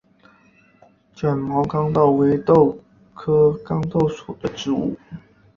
卷毛豇豆为豆科豇豆属的植物。